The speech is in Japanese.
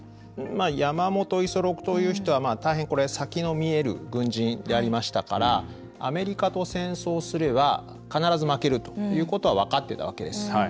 山本五十六という人は大変先の見える軍人でありましたからアメリカと戦争すれば必ず負けるということは分かってたわけです。